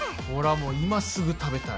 もう今すぐ食べたい。